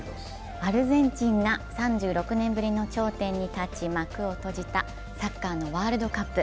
アルゼンチンが３６年ぶりの頂点に立ち幕を閉じたサッカーのワールドカップ。